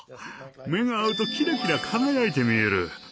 目が合うとキラキラ輝いて見える。